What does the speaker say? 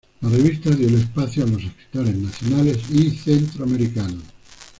La Revista dio el espacio a los escritores nacionales y centroamericanos.